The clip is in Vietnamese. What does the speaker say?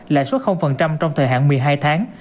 lãi suất trong thời hạn một mươi hai tháng